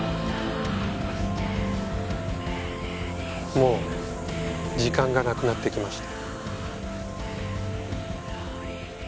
もう時間がなくなってきました。